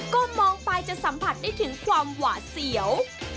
ก็มองไปจะสัมผัสได้ถึงความหวาดเสียว